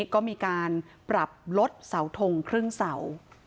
ก็มีการปรับลดเสาทงครึ่งเสา